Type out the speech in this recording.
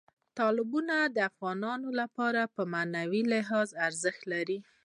تالابونه د افغانانو لپاره په معنوي لحاظ ارزښت لري.